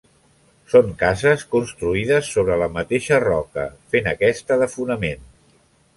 Són cases construïdes sobre la mateixa roca, fent aquesta de fonament.